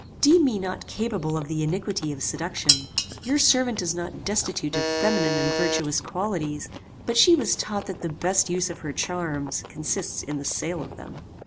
"Deem me not capable of the iniquity of seduction. Your servant is not destitute of feminine and virtuous qualities; but she was taught that the best use of her charms consists in the sale of them.